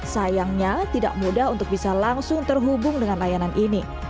sayangnya tidak mudah untuk bisa langsung terhubung dengan layanan ini